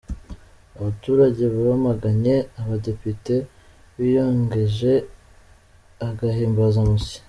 Abaturage bamaganye abadepite biyongeje agahimbazamusyi